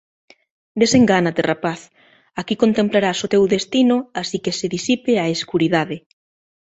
Desengánate, rapaz, aquí contemplarás o teu destino así que se disipe a escuridade.